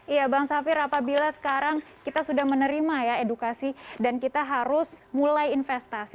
iya bang safir apabila sekarang kita sudah menerima ya edukasi dan kita harus mulai investasi